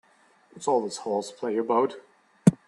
What's all this horseplay about?